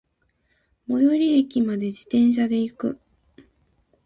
最寄駅まで、自転車で行く。